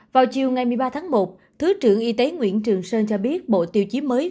vào chiều ngày một mươi ba tháng một thứ trưởng y tế nguyễn trường sơn cho biết bộ tiêu chí mới